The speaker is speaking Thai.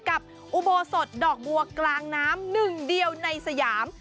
อุโบสถดอกบัวกลางน้ำหนึ่งเดียวในสยาม